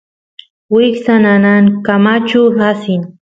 wiksa nanankamachu asin